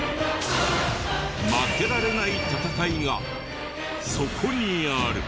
負けられない戦いがそこにある！